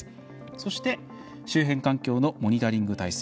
そして周辺環境のモニタリング体制。